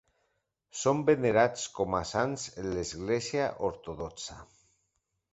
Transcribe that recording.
Són venerats com a sants en l'Església ortodoxa.